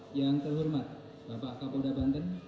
bapak kabit humas polda banten